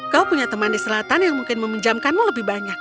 kau punya teman di selatan yang mungkin meminjamkanmu lebih banyak